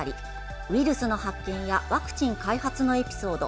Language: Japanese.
ウイルスの発見やワクチン開発のエピソード